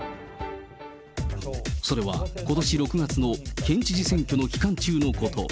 それは、ことし６月の県知事選挙の期間中のこと。